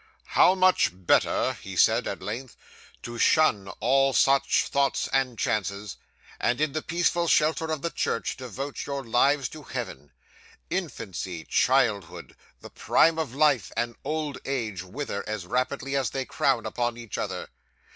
'"How much better," he said at length, "to shun all such thoughts and chances, and, in the peaceful shelter of the church, devote your lives to Heaven! Infancy, childhood, the prime of life, and old age, wither as rapidly as they crowd upon each other.